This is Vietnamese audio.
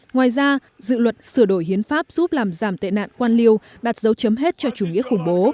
ngoài ra dự luật sửa đổi hiến pháp giúp làm giảm tệ nạn quan liêu đặt dấu chấm hết cho chủ nghĩa khủng bố